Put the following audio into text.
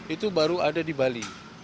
itu baru ada di bali